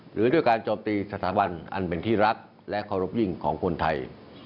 หรือด้วยการโจมตีสถาบันอันเป็นที่รักและเคารพยิ่งของคนไทย